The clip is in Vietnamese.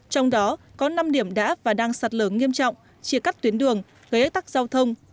trong đó có năm điểm đã và đang sạt lở nghiêm trọng chia cắt tuyến đường gây ách tắc giao thông